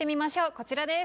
こちらです。